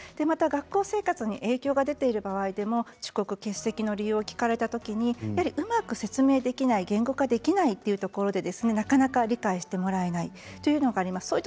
学校生活に影響が出ている場合でも遅刻、欠席の理由を聞かれたときにうまく説明できない言語化できないというところでなかなか理解してもらえないというのがあります。